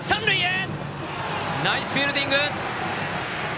ナイスフィールディング！